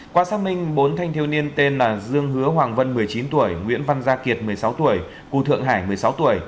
qua xác minh bốn thanh thiếu niên tên là dương hứa hoàng vân một mươi chín tuổi nguyễn văn gia kiệt một mươi sáu tuổi cụ thượng hải một mươi sáu tuổi